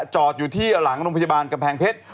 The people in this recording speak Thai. จอดอยู่ที่หลังโรงพยาบาลกำแพงเพชร